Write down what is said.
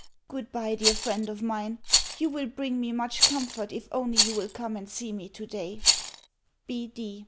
Goodbye, dear friend of mine. You will bring me much comfort if only you will come and see me today.